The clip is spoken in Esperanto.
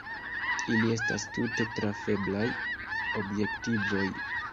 Ili estas tute trafeblaj objektivoj.